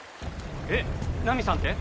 えっナミさんって？